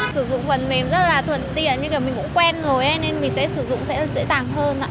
sử dụng phần mềm rất là thuận tiện như kiểu mình cũng quen rồi nên mình sẽ sử dụng sẽ dễ dàng hơn